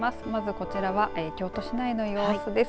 こちらは京都市内の様子です。